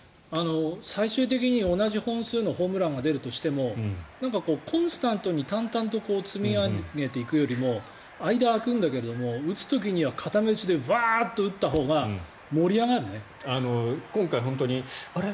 最終的に同じ本数のホームランが出るとしてもコンスタントに淡々と積み上げていくよりも間が空くけれども、打つ時には片手でバーッと打ったほうが今回本当にあれ？